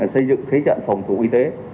xây dựng khế trận phòng thủ y tế